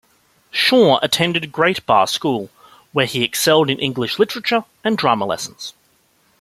Shaw attended Great Barr School, where he excelled in English literature and drama lessons.